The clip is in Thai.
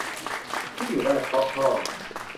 ที่อยู่ได้เพราะพ่อ